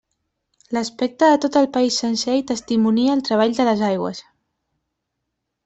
L'aspecte de tot el país sencer hi testimonia el treball de les aigües.